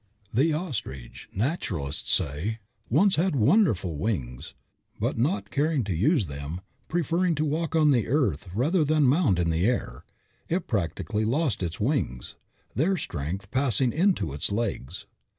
The ostrich, naturalists say, once had wonderful wings, but not caring to use them, preferring to walk on the earth rather than mount in the air, it practically lost its wings, their strength passing into its legs.